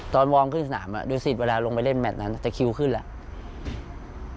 ตอนวอร์มเข้าสนามอ่ะดูสิทธิ์เวลาลงไปเล่นแมทนั้นจะคิวขึ้นแล้ว